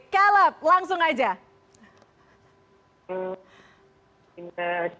ku ingin jatuh cinta lagi